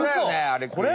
あれ！？